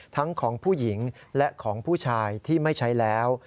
ทั้งของผู้หญิงและของผู้ชายที่ไม่ใช้แล้ว